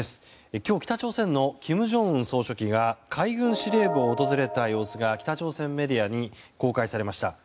今日、北朝鮮の金正恩総書記が海軍司令部を訪れた様子が北朝鮮メディアに公開されました。